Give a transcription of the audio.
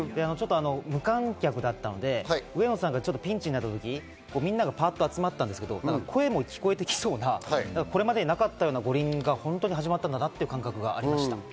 無観客だったので上野さんがピンチになった時、みんながパッと集まったんですけど声も聞こえてきそうな、これまでになかったような五輪が始まったなという感覚がありました。